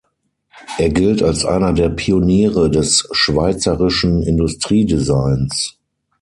Er gilt als einer der Pioniere des schweizerischen Industriedesigns.